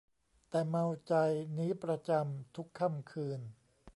แต่เมาใจ นี้ประจำ ทุกค่ำคืน